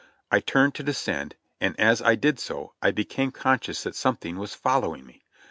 I turned to descend, and as I did so, I became conscious that something was following me.